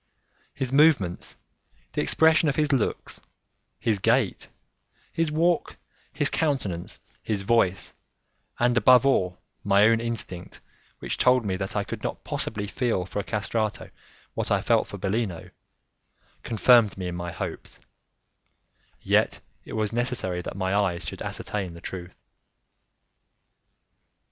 His movements, the expression of his looks, his gait, his walk, his countenance, his voice, and, above all, my own instinct, which told me that I could not possibly feel for a castrato what I felt for Bellino, confirmed me in my hopes; yet it was necessary that my eyes should ascertain the truth.